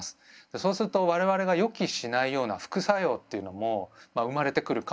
そうすると我々が予期しないような副作用っていうのも生まれてくるかもしれない。